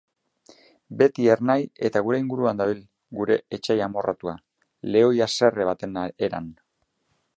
Beti ernai eta gure inguruan dabil gure etsai amorratua, lehoi haserre baten eran.